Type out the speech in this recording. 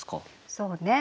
そうね。